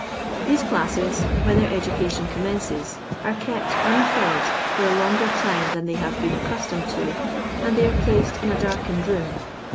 These classes, when their edu cation eommenoes, are kept unfed for a longer time than they hare been accustomed to, and they are plaeed in a darkened room.